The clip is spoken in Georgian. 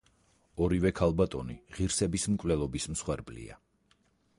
ორივე ქალბატონი ღირსების მკვლელობის მსხვერპლია.